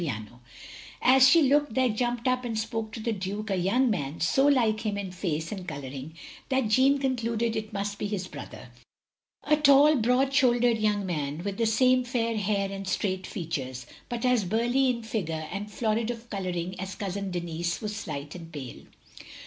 OF GROSVENOR SQUARE 185 As she looked, there jumped up and spoke to the Duke a young man so like him in face and colouring that Jeanne concluded it must be his brother. A tall, broad shouldered young man, with the same fair hair and straight features, but as burly in figure and florid of colouring as Cousin Denis was slight and pale.